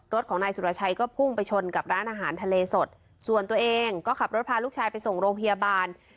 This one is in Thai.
รถของนายสุรชัยก็พุ่งไปชนกับร้านอาหารทะเลสดส่วนตัวเองก็ขับรถพาลูกชายไปส่งโรงพยาบาล